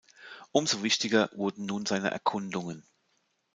Umso wichtiger wurden nun seine Erkundungen.